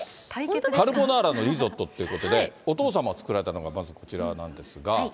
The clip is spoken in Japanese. カルボナーラのリゾットということで、お父様作られたのが、まずこちらなんですが。